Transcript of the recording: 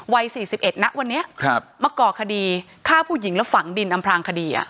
วัยสี่สิบเอ็ดนะวันนี้ครับมาก่อคดีฆ่าผู้หญิงและฝังดินอำพลางคดีอ่ะ